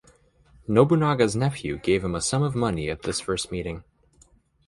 Nobunaga's nephew gave him a sum of money at this first meeting.